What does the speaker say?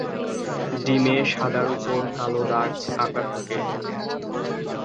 ডিমে সাদার উপর কালো দাগ আকা থাকে।